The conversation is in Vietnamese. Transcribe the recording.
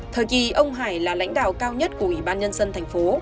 thời kỳ ông hải là lãnh đạo cao nhất của ủy ban nhân dân tp